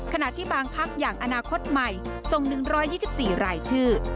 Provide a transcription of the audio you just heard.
ขณะที่บางพักอย่างอนาคตใหม่ส่ง๑๒๔รายชื่อ